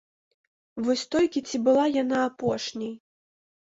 Вось толькі ці была яна апошняй.